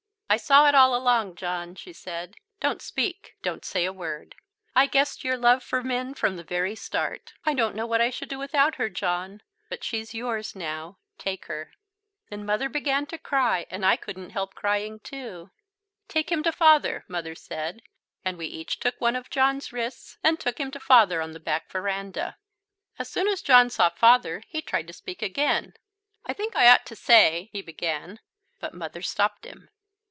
"I saw it all along, John," she said. "Don't speak. Don't say a word. I guessed your love for Minn from the very start. I don't know what I shall do without her, John, but she's yours now; take her." Then Mother began to cry and I couldn't help crying too. "Take him to Father," Mother said, and we each took one of John's wrists and took him to Father on the back verandah. As soon as John saw Father he tried to speak again "I think I ought to say," he began, but Mother stopped him.